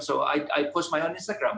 jadi saya menulis instagram